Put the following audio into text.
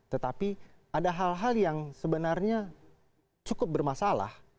tetapi ada hal hal yang sebenarnya cukup bermasalah